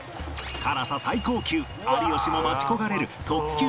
辛さ最高級有吉も待ち焦がれる特級